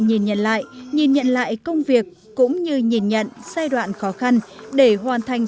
nhìn nhận lại nhìn nhận lại công việc cũng như nhìn nhận giai đoạn khó khăn để hoàn thành